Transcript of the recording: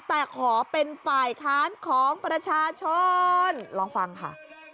แต่ขอเป็นฝ่ายค้านของประชาชนลองฟังค่ะ